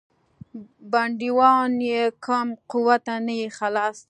بندیوان یې کم قوته نه یې خلاص.